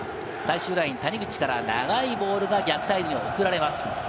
最終ライン、谷口から長いボールが逆サイドに送られます。